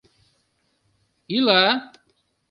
Ила?